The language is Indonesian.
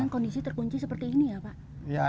kondisi terkunci seperti ini ya pak